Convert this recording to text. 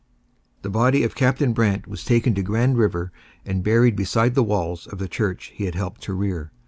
The body of Captain Brant was taken to Grand River and buried beside the walls of the church he had helped to rear.